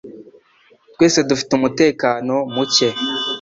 Twese dufite umutekano muke,